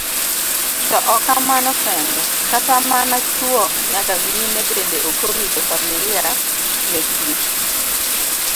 To ok mano kende, kata mana chuo nyaka mine bende ok orito familia mekgi.